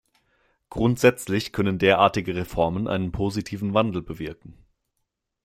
Grundsätzlich können derartige Reformen einen positiven Wandel bewirken.